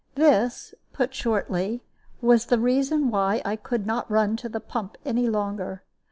This, put shortly, was the reason why I could not run to the pump any longer.